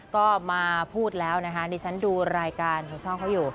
ก็มาพูดแล้วนะคะดิฉันดูรายการของช่องเขาอยู่